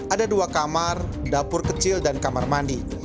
ada dua kamar dapur kecil dan kamar mandi